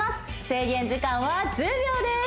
制限時間は１０秒です